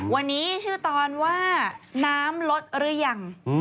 วันนี้ชื่อตอนว่าน้ำลดหรือยัง